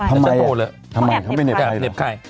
ทำไมเขาไม่เน็บใคร